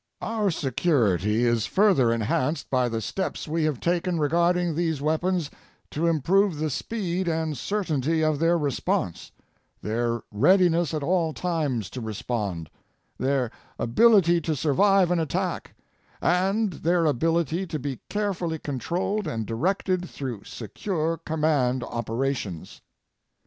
Our security is further enhanced by the steps we have taken regarding these weapons to improve the speed and certainty of their response, their readiness at all times to respond, their ability to survive an attack, and their ability to be carefully controlled and directed through secure command operations.